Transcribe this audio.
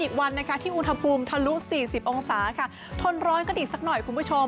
อีกวันนะคะที่อุณหภูมิทะลุ๔๐องศาค่ะทนร้อนกันอีกสักหน่อยคุณผู้ชม